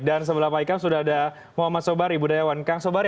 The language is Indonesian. dan sebelah pak ikam sudah ada muhammad sobari budayawan kang sobari